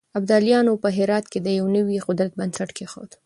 ابدالیانو په هرات کې د يو نوي قدرت بنسټ کېښود.